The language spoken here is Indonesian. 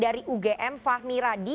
dari ugm fahmi radi